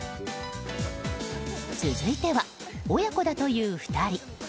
続いては、親子だという２人。